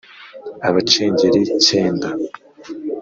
abacengeli cyenda